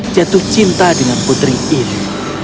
jatuh cinta dengan putri ini